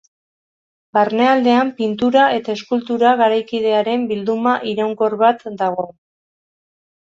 Barnealdean pintura eta eskultura garaikidearen bilduma iraunkor bat dago.